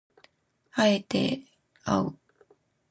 敢えてあう